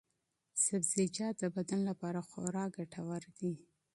سبزیجات د بدن لپاره خورا ګټور دي.